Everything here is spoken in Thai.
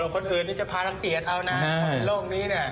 คนอื่นที่จะพารังเกียจเอานะในโลกนี้เนี่ย